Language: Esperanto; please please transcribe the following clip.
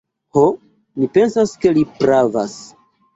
Ho, mi pensas ke li pravas.